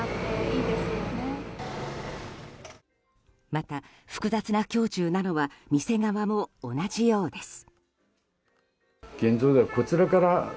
また、複雑な胸中なのは店側も同じようです。